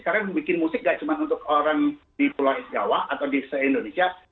sekarang bikin musik gak cuma untuk orang di pulau jawa atau di se indonesia